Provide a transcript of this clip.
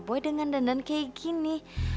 boy dengan dandan kayak gini